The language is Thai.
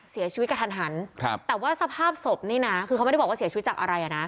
เสียชีวิตกระทันหันครับแต่ว่าสภาพศพนี่นะคือเขาไม่ได้บอกว่าเสียชีวิตจากอะไรอ่ะนะ